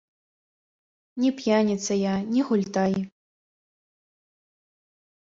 Ні п'яніца я, ні гультай.